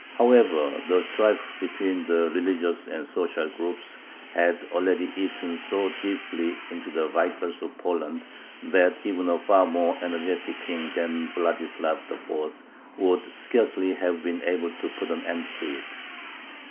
However, the strife between the religious and social groups had already eaten so deeply into the vitals of Poland that even a far more energetic king than Vladislav IV. would scarcely have been able to put an end to it.